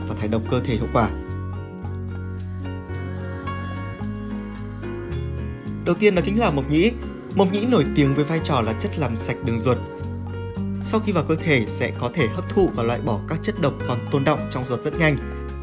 sau khi vào cơ thể sẽ có thể hấp thụ và loại bỏ các chất độc còn tôn động trong ruột rất nhanh